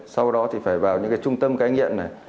sau đó thì phải vào những trung tâm cái nghiện này